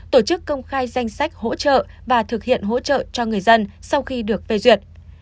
tổ chức công khai danh sách hỗ trợ và thực hiện hỗ trợ cho người dân sau khi được phê duyệt